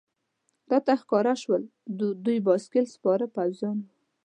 راته ښکاره شول، دوی بایسکل سپاره پوځیان و.